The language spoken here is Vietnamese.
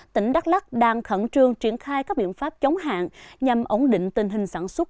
tỉnh đắk lắc đang khẩn trương triển khai các biện pháp chống hạn nhằm ổn định tình hình sản xuất